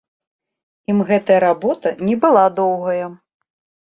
Ім гэтая работа не была доўгая.